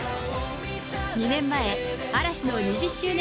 ２年前、嵐の２０周年